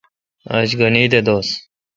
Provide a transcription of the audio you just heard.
آج گھن عید دوس۔